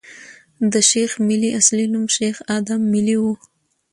د شېخ ملي اصلي نوم شېخ ادم ملي ؤ.